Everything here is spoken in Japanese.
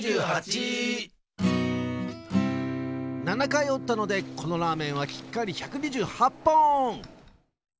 ７かいおったのでこのラーメンはきっかり１２８ぽん！